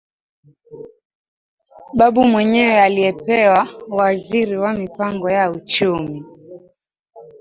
Babu mwenyewe aliyepewa uwaziri wa Mipango ya Uchumi